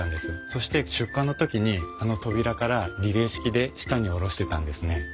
そして出荷の時にあの扉からリレー式で下に下ろしてたんですね。